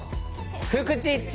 フクチッチ！